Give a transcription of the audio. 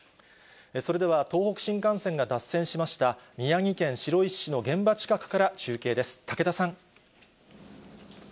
それでは東北新幹線が脱線しました宮城県白石市の現場近くから中継です、武田さん。